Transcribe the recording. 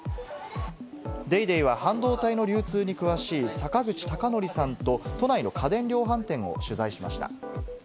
『ＤａｙＤａｙ．』は半導体の流通に詳しい坂口孝則さんと都内の家電量販店を取材しました。